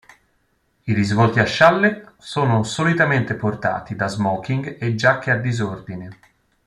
I risvolti a scialle sono solitamente portati da smoking e giacche a disordine.